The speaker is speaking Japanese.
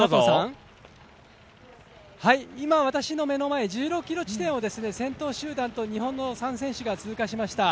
今、私の目の前１６ｋｍ地点を先頭集団と日本の３選手が通過しました。